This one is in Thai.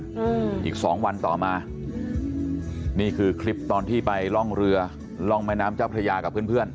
อืมอีกสองวันต่อมานี่คือคลิปตอนที่ไปร่องเรือร่องแม่น้ำเจ้าพระยากับเพื่อนเพื่อน